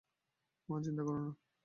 মা, চিন্তা করো না।